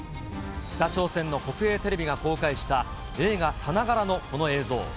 北朝鮮の国営テレビが公開した、映画さながらのこの映像。